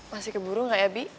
masih keburu nggak ya bi